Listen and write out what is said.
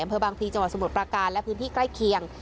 อำเภอบางพลีจังหวัดสมุทรประการและพื้นที่ใกล้เคียง